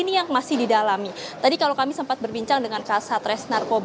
tim liputan kompas tv